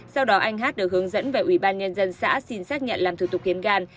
sau đó anh hát được hướng dẫn về ủy ban nhân dân xã xin xác nhận làm thủ tục hiến gan